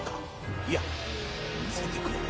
いや、見せてくれ！